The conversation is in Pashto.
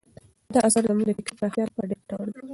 دا اثر زموږ د فکري پراختیا لپاره ډېر ګټور دی.